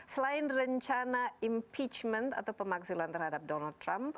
selain rencana impeachment atau pemaksulan terhadap donald trump